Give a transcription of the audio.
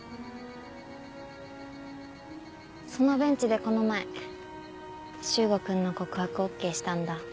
そのベンチでこの前修吾君の告白ＯＫしたんだ。